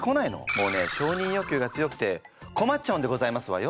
もうね承認欲求が強くてこまっちゃうんでございますわよ。